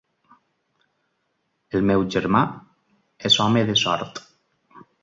El meu germà és home de sort.